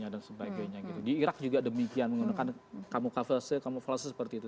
lagi lagi di irak juga demikian menggunakan kamuflase seperti itu